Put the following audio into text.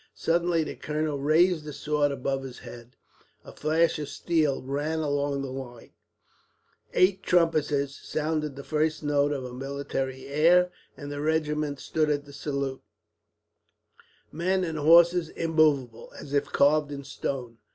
Suddenly the colonel raised his sword above his head, a flash of steel ran along the line, eight trumpeters sounded the first note of a military air, and the regiment stood at the salute, men and horses immovable, as if carved in stone.